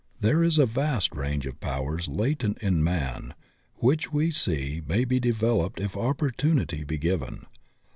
There is a vast range of powers latent in man which we see may be developed if opportunity be given.